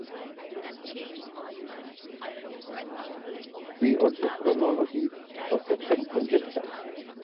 See also Chronology protection conjecture.